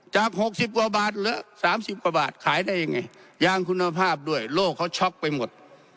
สามสิบกว่าบาทขายได้ยังไงยางคุณภาพด้วยโลกเขาช็อกไปหมด